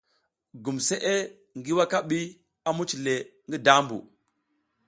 Gumsʼe ngi wakabi a muc le ngi dambu.